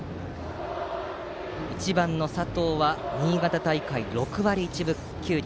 １番の佐藤は新潟大会６割１分９厘。